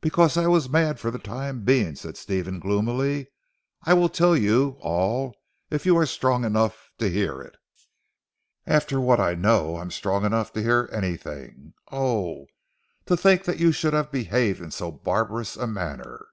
"Because I was mad for the time being," said Stephen gloomily, "I will tell you all if you are strong enough to hear it." "After what I know, I am strong enough to hear anything. Oh! To think that you should have behaved in so barbarous a manner."